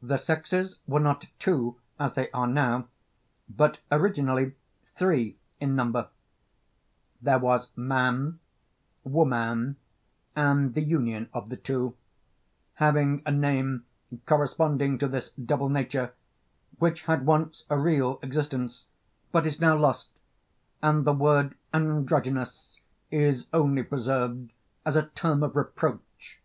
The sexes were not two as they are now, but originally three in number; there was man, woman, and the union of the two, having a name corresponding to this double nature, which had once a real existence, but is now lost, and the word 'Androgynous' is only preserved as a term of reproach.